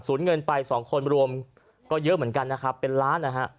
เงินไปสองคนรวมก็เยอะเหมือนกันนะครับเป็นล้านนะฮะ